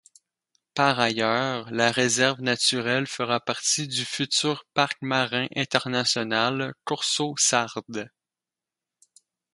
Par ailleurs, la réserve naturelle fera partie du futur Parc Marin International corso-sarde.